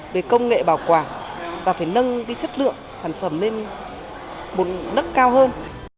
về công nghệ bảo quản và phải nâng cái chất lượng sản phẩm lên một nức cao hơn